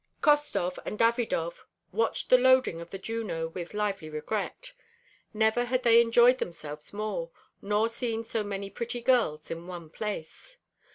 Khostov and Davidov watched the loading of the Juno with a lively regret. Never had they enjoyed themselves more, nor seen so many pretty girls in one place.